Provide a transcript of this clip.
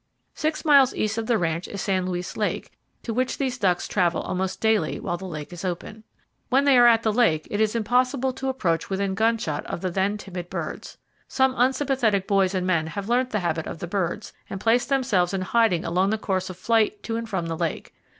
Six miles east of the ranch is San Luis lake, to which these ducks travel almost daily while the lake is open. When they are at the lake it is impossible to approach within gunshot of the then timid birds. Some unsympathetic boys and men have learned the habit of the birds, and place themselves in hiding along the course of flight to and from the lake.